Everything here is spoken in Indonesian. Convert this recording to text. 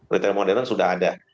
retail modern sudah ada